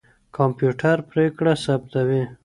کمپيوټر پرېکړه ثبتوي.